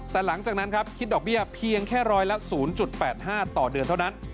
แต่หลังจากนั้นครับคิดดอกเบี้ยเพียงแค่ร้อยละ๐๘๕ต่อเดือนเท่านั้น